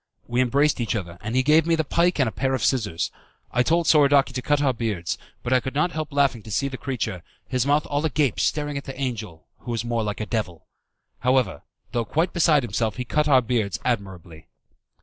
We embraced each other, and he gave me the pike and a pair of scissors. I told Soradaci to cut our beards, but I could not help laughing to see the creature his mouth all agape staring at the angel, who was more like a devil. However, though quite beside himself, he cut our beards admirably.